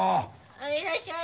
はいいらっしゃい。